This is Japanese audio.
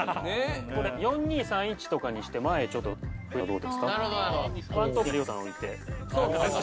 これ４２３１とかにして前ちょっと増やすのはどうですか？